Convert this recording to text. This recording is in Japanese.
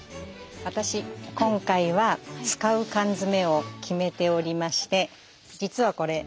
私今回は使う缶詰を決めておりまして。